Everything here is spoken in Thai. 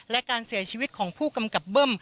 และการเสียชีวิตของผู้กำกับเบิ้ม